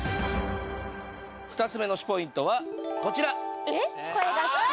２つ目の推しポイントはこちらあ！